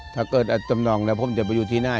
ถ้าเกิดจำนองแล้วผมจะไปอยู่ที่ไหน